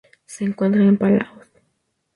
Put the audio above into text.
Se encuentra en Palaos.